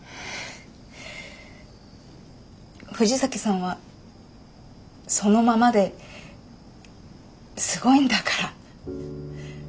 藤崎さんはそのままですごいんだから。